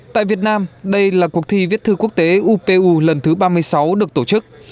tại việt nam đây là cuộc thi viết thư quốc tế upu lần thứ ba mươi sáu được tổ chức